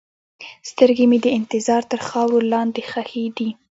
سترګې مې د انتظار تر خاورو لاندې ښخې دي.